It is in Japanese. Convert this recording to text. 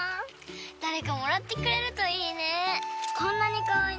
誰かもらってくれるといいね。